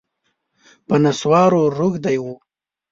په نسوارو روږدی و